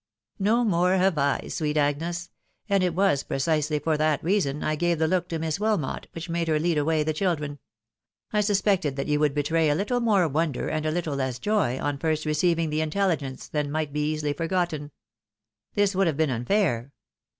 " No more have I, sweet Agnes ; and it was precisely for that reason, I gave the look to Miss Wilmot, which made her lead away the children. I suspected that you would betray a little more wonder, and a little less joy, on first receiving the intelUgence, than might be easily forgotten. This would have been unfair.